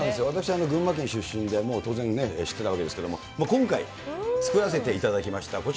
私、群馬県出身で、もう当然ね、知ってたわけですけれども、今回作らせていただきました。